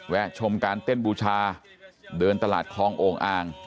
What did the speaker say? ชมการเต้นบูชาเดินตลาดคลองโอ่งอ่าง